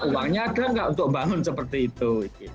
uangnya ada nggak untuk bangun seperti itu